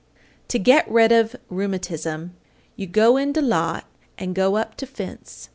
_ 822. To get rid of rheumatism: "You go in de lot an' go up to fence.